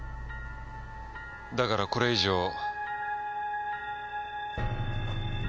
だからこれ以上。